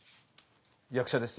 役者です